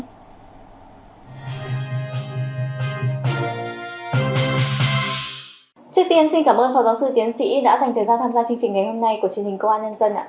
trước tiên xin cảm ơn phó giáo sư tiến sĩ đã dành thời gian tham gia chương trình ngày hôm nay của chương trình công an nhân dân